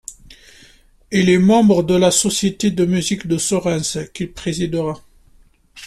Il est membre de la Société de musique de Sorens, qu'il présidera.